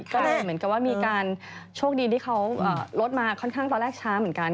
ก็เหมือนกับว่ามีการโชคดีที่เขารถมาค่อนข้างตอนแรกช้าเหมือนกัน